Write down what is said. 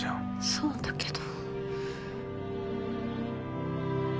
そうだけど。